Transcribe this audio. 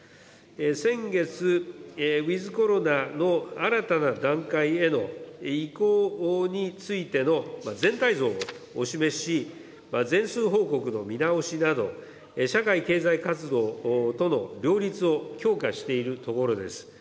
先月、ウィズコロナの新たな段階への移行についての全体像を示し、全数報告の見直しなど、社会経済活動との両立を強化しているところです。